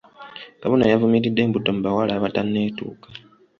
Kabona yavumiridde embuto mu bawala abatanetuuka.